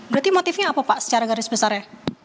berarti motifnya apa pak secara garis besarnya